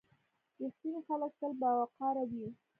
• رښتیني خلک تل باوقاره وي.